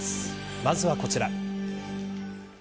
まずはこちら。